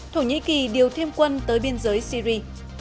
thổ nhĩ kỳ điều thêm quân tới biên giới syri